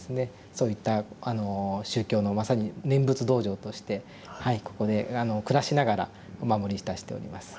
そういったあの宗教のまさに念仏道場としてはいここで暮らしながらお守りいたしております。